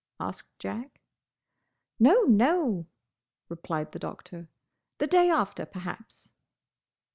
asked Jack. "No, no!" replied the Doctor. "The day after, perhaps."